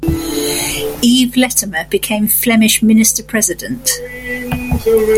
Yves Leterme became Flemish minister-president.